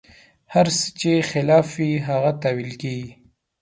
هر څه چې خلاف وي، هغه تاویل کېږي.